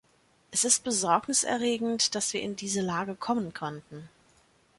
Es ist besorgniserregend, dass wir in diese Lage kommen konnten.